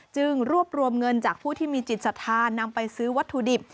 จึงรวบรวมเงินจากผู้ที่มีจิตศรัทธานำไปซื้อวัตถุดิบ